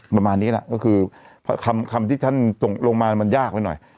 ประมาณนี้แหละก็คือคำที่ท่านส่งลงมามันยากไปหน่อย